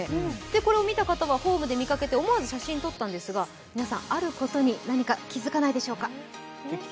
これを見た方はホームで見かけて、思わず写真を撮ったんですが皆さん、あることに何か気付かないでしょうか？